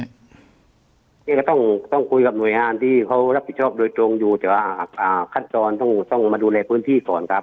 นี่ก็ต้องคุยกับหน่วยงานที่เขารับผิดชอบโดยตรงอยู่แต่ว่าขั้นตอนต้องมาดูแลพื้นที่ก่อนครับ